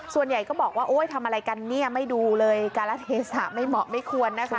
ส่วนใหญ่ก็บอกว่าโอ๊ยทำอะไรกันเนี่ยไม่ดูเลยการละเทศะไม่เหมาะไม่ควรนะคะ